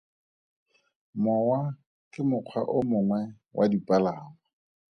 Mowa ke mokgwa o mongwe wa dipalangwa.